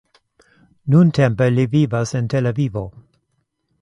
Nuntempe li vivas en Tel Avivo.